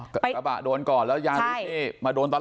กระบะโดนก่อนแล้วยาริสมาโดนตอนหลัง